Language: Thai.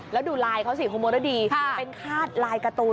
แล้วดูลายเขาสิคุณมรดีเป็นคาดลายการ์ตูน